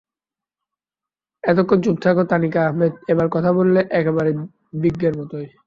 এতক্ষণ চুপ থাকা তানিকা আহমেদ এবার কথা বললেন একেবারে বিজ্ঞের মতোই।